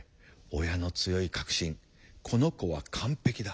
親の強い確信「この子は完璧だ」。